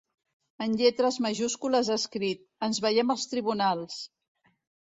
En lletres majúscules ha escrit: Ens veiem als tribunals!